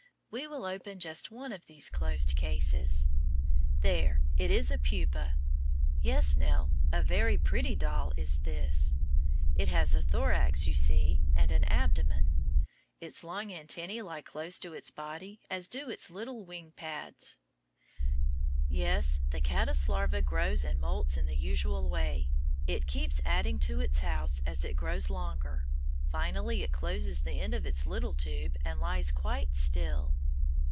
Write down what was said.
We will open just one of these closed cases. There! It is a pupa! Yes, Nell, a very pretty doll is this. It has a thorax, you see, and an abdomen. Its long antennæ lie close to its body as do its little wing pads. Yes, the caddice larva grows and moults in the usual way. It keeps adding to its house as it grows longer. Finally, it closes the end of its little tube and lies quite still.